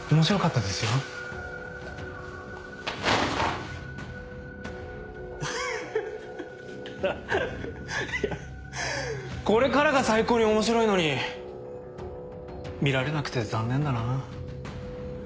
ただいやこれからが最高に面白いのに見られなくて残念だなぁ。